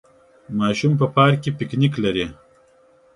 ماشوم په پارک کې پکنک لري.